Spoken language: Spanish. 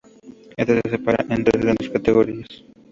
Esta se separa en tres grandes categorías.